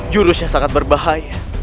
jurusnya sangat berbahaya